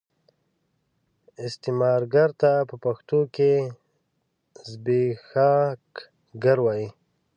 استثمارګر ته په پښتو کې زبېښاکګر وايي.